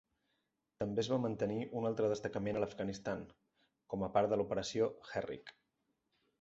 També es va mantenir un altre destacament a l'Afganistan, com a part de l'Operació Herrick.